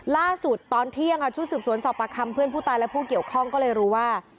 ตอนเที่ยงชุดสืบสวนสอบประคำเพื่อนผู้ตายและผู้เกี่ยวข้องก็เลยรู้ว่า